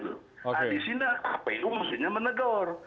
nah disini kpu mestinya menegur